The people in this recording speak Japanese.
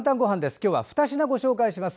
今日は２品ご紹介します。